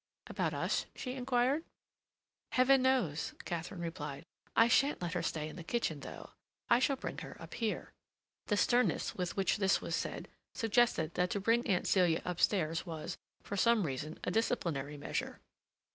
"About us?" she inquired. "Heaven knows," Katharine replied. "I shan't let her stay in the kitchen, though. I shall bring her up here." The sternness with which this was said suggested that to bring Aunt Celia upstairs was, for some reason, a disciplinary measure.